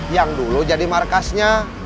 yang dulu jadi markasnya